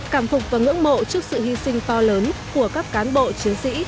cảm phục và ngưỡng mộ trước sự hy sinh to lớn của các cán bộ chiến sĩ